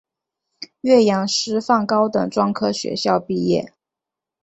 岳阳师范高等专科学校毕业。